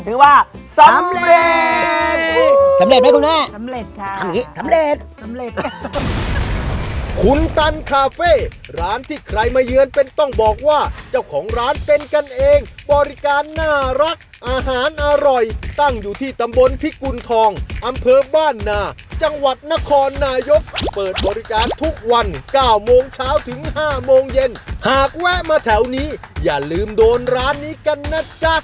ถือว่าสำเร็จสำเร็จไหมคุณแม่สำเร็จค่ะทำอย่างงี้สำเร็จ